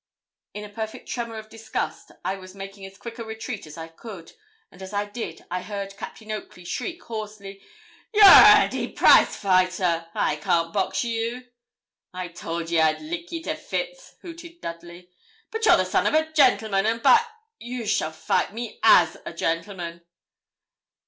In a perfect tremor of disgust, I was making as quick a retreat as I could, and as I did, I heard Captain Oakley shriek hoarsely 'You're a d prizefighter; I can't box you.' 'I told ye I'd lick ye to fits,' hooted Dudley. 'But you're the son of a gentleman, and by you shall fight me as a gentleman.'